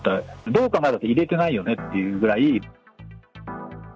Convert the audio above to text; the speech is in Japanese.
どう考えたって入れてないよねっていうぐらい。